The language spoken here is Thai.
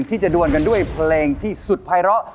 ที่จะด้วนกันด้วยเพลงที่สุดท้ายร้อน